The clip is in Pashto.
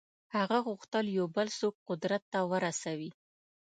هغه غوښتل یو بل څوک قدرت ته ورسوي.